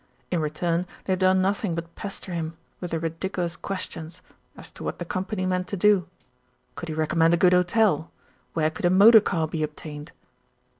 In return they had done nothing but pester him with their ridiculous questions as to what the Com pany meant to do. Could he recommend a good hotel? Where could a motor car be obtained?